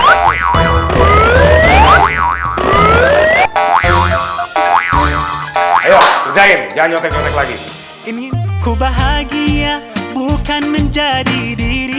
ayo kerjain jangan nyotek nyotek lagi